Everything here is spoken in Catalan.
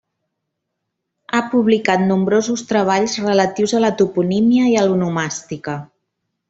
Ha publicat nombrosos treballs relatius a la toponímia i a l'onomàstica.